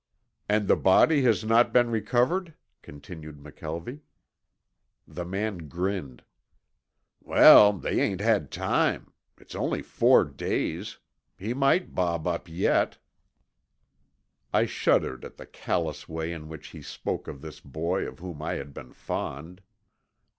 "And the body has not been recovered?" continued McKelvie. The man grinned. "Well, they ain't had time. It's only four days. He might bob up yet." I shuddered at the callous way in which he spoke of this boy of whom I had been fond.